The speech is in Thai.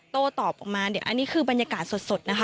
โต้ตอบออกมาเดี๋ยวอันนี้คือบรรยากาศสดนะคะ